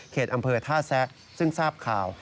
อำเภอท่าแซะซึ่งทราบข่าว